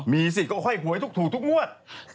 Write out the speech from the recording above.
มีสิทธิ์ก็ค่อยหวยทุกถูกทุกงวด